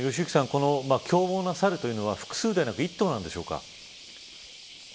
この凶暴なサルというのは複数ではなく１頭なんでしょうか。